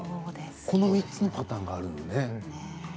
この３つのパターンがあるのね。